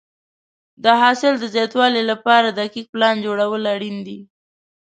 د حاصل د زیاتوالي لپاره دقیق پلان جوړول اړین دي.